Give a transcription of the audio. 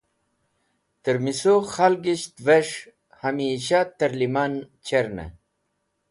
Termisu Khalisht Ves̃h Hamisha terliman Cherne